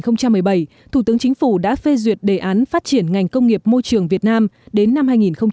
năm hai nghìn một mươi bảy thủ tướng chính phủ đã phê duyệt đề án phát triển ngành công nghiệp môi trường việt nam đến năm hai nghìn hai mươi